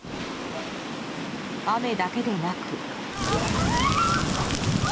雨だけでなく。